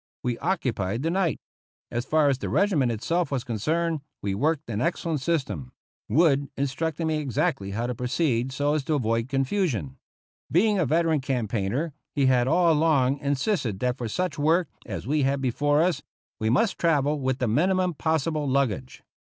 We occupied the night As far as the regiment itself was concerned, we worked an excellent system. Wood instructing me exactly how to proceed so as to avoid confu sion. Being a veteran campaigner, he had all along insisted that for such work as we had before us we must travel with the minimum possible luggage.